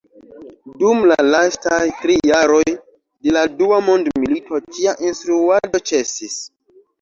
Dum la lastaj tri jaroj de la Dua mondmilito ĉia instruado ĉesis.